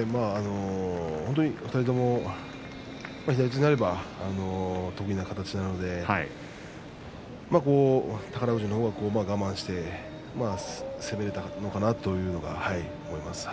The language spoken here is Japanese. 本当に２人とも左となれば得意な形なので宝富士のほうが我慢して攻められたのかなというのが思います。